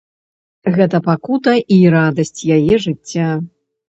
Гэта пакута й радасць яе жыцця.